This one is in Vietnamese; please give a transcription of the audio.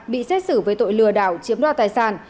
bị xét xử với tội lừa đảo chiếm đoạt tài sản